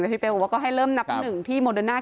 พี่เป๊วก็ให้เริ่มนับ๑ที่โมเดอร์น่า